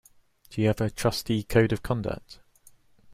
Do you have a trustee code of conduct?